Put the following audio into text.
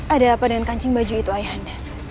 ada apa dengan kancing baju itu ayah anda